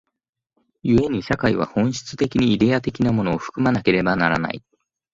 故に社会は本質的にイデヤ的なものを含まなければならない。